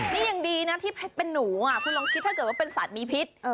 นี่ยังดีนะที่เป็นหนูคุณลองคิดถ้าเกิดว่าเป็นสัตว์มีพิษ